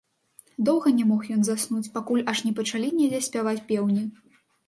Доўга не мог ён заснуць, пакуль аж не пачалі недзе спяваць пеўні.